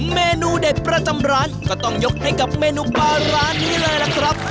เมนูเด็ดประจำร้านก็ต้องยกให้กับเมนูปลาร้านนี้เลยล่ะครับ